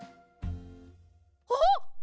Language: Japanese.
あっ！